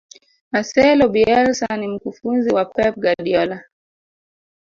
marcelo bielsa ni mkufunzi wa pep guardiola